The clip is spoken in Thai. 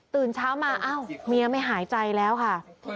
ตื่นเช้ามาอ้าวเมียไม่หายใจแล้วค่ะ